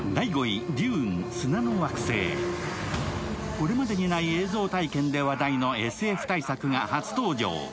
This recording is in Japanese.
これまでにない映像体験で話題のＳＦ大作が初登場。